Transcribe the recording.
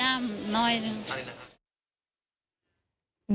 มีชายน้ำน้อยนึง